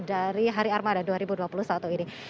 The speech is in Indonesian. dari hari armada dua ribu dua puluh satu ini